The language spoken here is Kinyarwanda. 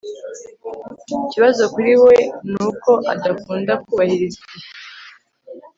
Ikibazo kuri we nuko adakunda kubahiriza igihe